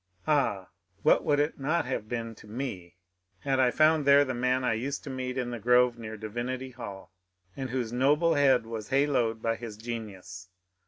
Ah, what would it not have been to me had I found there the man I used to meet in the grove near Divinity Hall, and whose noble head was haloed by his genius